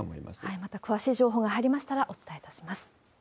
また詳しい情報が入りましたら、お伝えいたします。